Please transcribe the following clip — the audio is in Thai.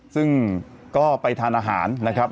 ซึ่งก็ไปทานอาหารนะครับ